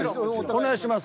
お願いします。